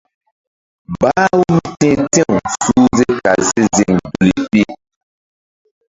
Bah-u mí ti̧h ti̧w suhze kal si ziŋ duli pi.